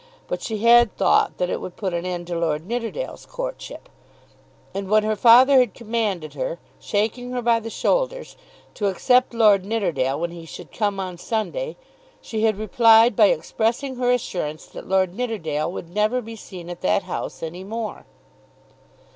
But she had thought that it would put an end to Lord Nidderdale's courtship; and when her father had commanded her, shaking her by the shoulders, to accept Lord Nidderdale when he should come on Sunday, she had replied by expressing her assurance that Lord Nidderdale would never be seen at that house any more.